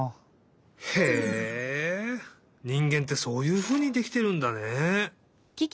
へえにんげんってそういうふうにできてるんだね。